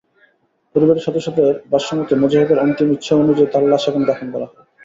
পরিবারের সদস্যদের ভাষ্যমতে, মুজাহিদের অন্তিম ইচ্ছা অনুযায়ী তাঁর লাশ সেখানে দাফন করা হয়।